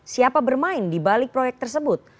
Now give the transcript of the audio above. siapa bermain di balik proyek tersebut